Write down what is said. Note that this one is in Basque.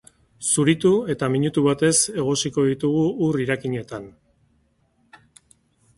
Zuritu, eta minutu batez egosiko ditugu ur irakinetan.